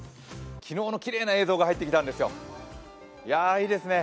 昨日のきれいな映像が入ってきたんですよ、いいですね。